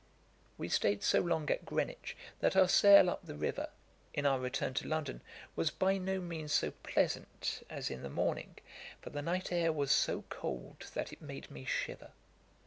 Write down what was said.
] We staid so long at Greenwich, that our sail up the river, in our return to London, was by no means so pleasant as in the morning; for the night air was so cold that it made me shiver.